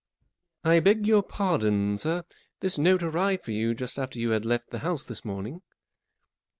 44 I beg your pardon, sir. This note arrived for you just after you had left the house this morning."